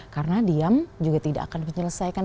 karena diam juga tidak akan menyelesaikan